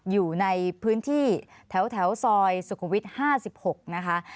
อยู่ในพื้นที่แถวซอยสุขุมวิทย์๕๖นะคะ